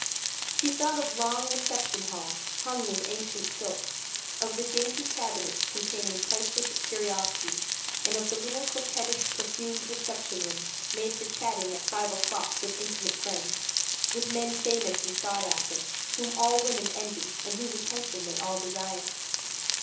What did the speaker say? She thought of long reception halls hung with ancient silk, of the dainty cabinets containing priceless curiosities and of the little coquettish perfumed reception rooms made for chatting at five o'clock with intimate friends, with men famous and sought after, whom all women envy and whose attention they all desire.